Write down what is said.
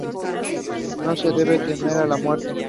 No se debe temer a la muerte.